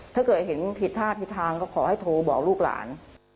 ถ้าเกิดเห็นผิดท่าผิดทางก็ขอให้โทรบอกลูกหลาน